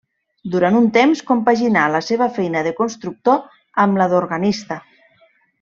Durant un temps, compaginà la seva feina de constructor amb la d'organista.